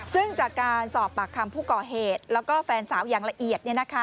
ซึ่งจากการสอบปากคำผู้ก่อเหตุแล้วก็แฟนสาวอย่างละเอียด